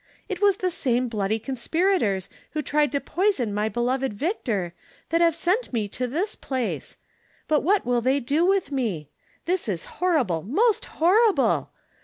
It was the same bloody conspirators^ who tried to poison my beloved Victor, that have sent me to this place ; but, what will they do with me V This is horrible, most horrible